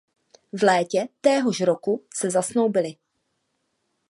V létě téhož roku se zasnoubili.